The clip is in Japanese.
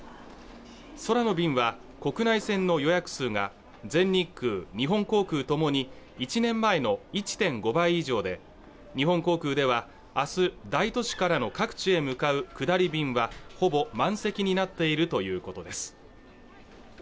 空の便は国内線の予約数が全日空日本航空ともに１年前の１．５倍以上で日本航空ではあす大都市からの各地へ向かう下り便はほぼ満席になっているということです